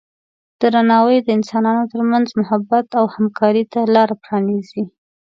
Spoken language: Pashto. درناوی د انسانانو ترمنځ محبت او همکارۍ ته لاره پرانیزي.